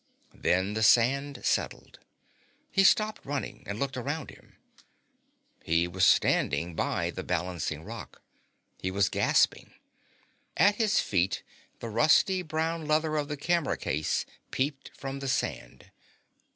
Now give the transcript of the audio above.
Then the sand settled. He stopped running and looked around him. He was standing by the balancing rock. He was gasping. At his feet the rusty brown leather of the camera case peeped from the sand.